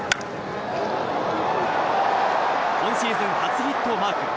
今シーズン初ヒットをマーク。